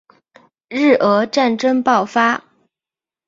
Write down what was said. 日俄战争爆发